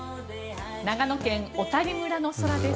長野県小谷村の空です。